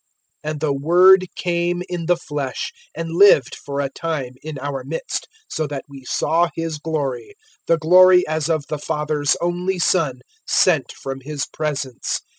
001:014 And the Word came in the flesh, and lived for a time in our midst, so that we saw His glory the glory as of the Father's only Son, sent from His presence.